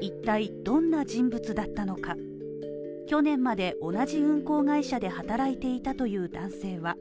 いったいどんな人物だったのか、去年まで同じ運航会社で働いていたという男性は。